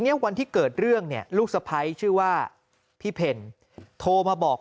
วันที่เกิดเรื่องเนี่ยลูกสะพ้ายชื่อว่าพี่เพลโทรมาบอก